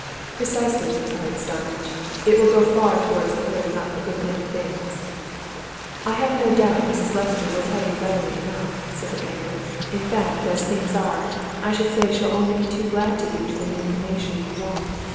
"Precisely," replied Starmidge. "It will go far towards clearing up a good many things." "I have no doubt Mrs. Lester will tell you readily enough," said the banker. "In fact, as things are, I should say she'll only be too glad to give you any information you want.